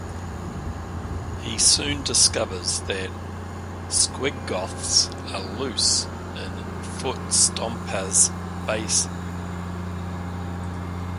He soon discovers that Squiggoths are loose in Footstompaz's base.